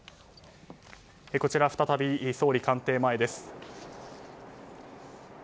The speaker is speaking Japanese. こちら再び、総理官邸前です。